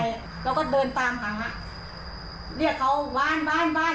แล้วก็เดินตามหาเรียกเขาว้านแล้วก็เดินไปตรงนั้น